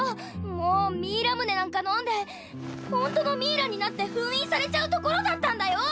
もうミイラムネなんか飲んでホントのミイラになって封印されちゃうところだったんだよ！